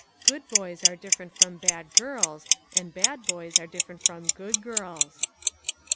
" Good boys are different from bad girls, and bad boys are different from good girls."